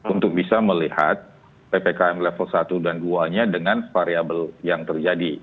untuk bisa melihat ppkm level satu dan dua nya dengan variable yang terjadi